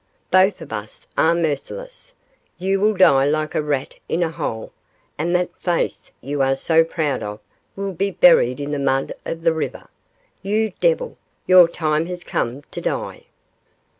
Both of us are merciless. You will die like a rat in a hole, and that face you are so proud of will be buried in the mud of the river. You devil! your time has come to die.